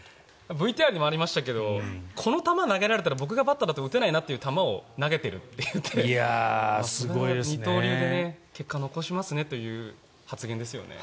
ＶＴＲにもありましたけどこの球投げられたら僕がバッターだと打てないなという球を投げてると言って二刀流で結果を残しますねという発言ですよね。